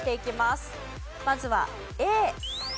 まずはＡ。